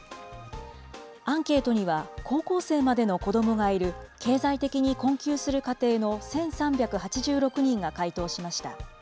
アンケートには、高校生までの子どもがいる、経済的に困窮する家庭の１３８６人が回答しました。